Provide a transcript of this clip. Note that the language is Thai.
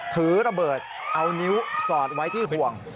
ถือระเบิดเอานิ้วสอดไว้ที่ห่วง